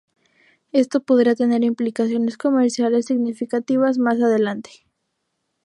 Esto podría tener implicaciones comerciales significativas, más adelante.